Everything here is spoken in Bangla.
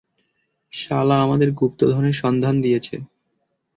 শালা আমাদের গুপ্তধনের সন্ধান দিয়েছে।